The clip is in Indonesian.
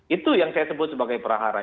itu yang saya sebut sebagai perahara